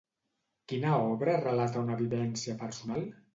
Quina obra relata una vivència personal?